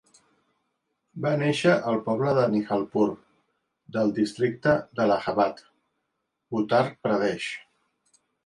Va néixer al poble de Nihalpur del districte d'Allahabad, Uttar Pradesh.